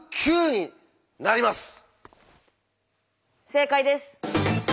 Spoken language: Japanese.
正解です。